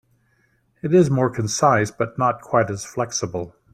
It is more concise but not quite as flexible.